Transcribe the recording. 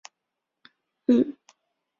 风格轻松搞笑。